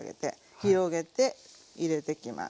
広げて入れてきます。